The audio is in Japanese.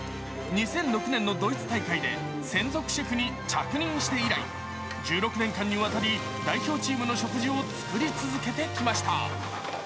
２００６年のドイツ大会で専属シェフに着任して以来、１６年間にわたり代表チームの食事を作り続けてきました。